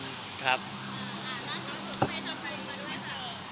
ร้านสวัสดิ์สุขให้ทำใครด้วยครับ